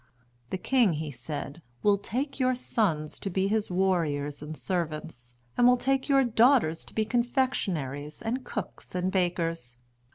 The king, he said, will take your sons to be his warriors and servants; and will take your daughters to be confectionaries, and cooks, and bakers.